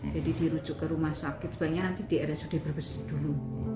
jadi rujuk ke rumah sakit sebaiknya nanti di rsud berbesar dulu